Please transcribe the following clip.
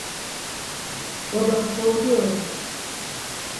Baba, korkuyorum.